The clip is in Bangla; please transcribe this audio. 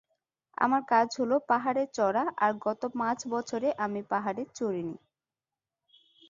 আমার কাজ হল পাহাড়ে চড়া আর গত পাঁচ বছরে আমি পাহাড়ে চড়িনি।